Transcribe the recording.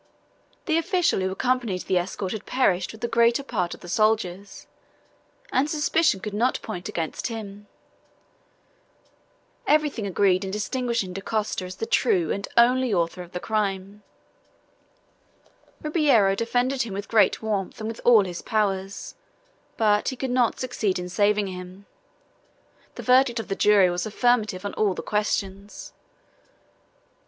The official who accompanied the escort had perished with the greater part of the soldiers, and suspicion could not point against him. Everything agreed in distinguishing Dacosta as the true and only author of the crime. Ribeiro defended him with great warmth and with all his powers, but he could not succeed in saving him. The verdict of the jury was affirmative on all the questions.